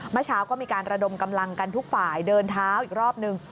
เมื่อเช้าก็มีการระดมกำลังกันทุกฝ่ายเดินเท้าอีกรอบนึง